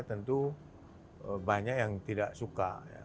tentu banyak yang tidak suka